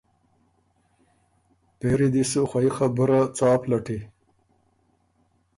پېری دی شو خوئ خبُره څا پلټي؟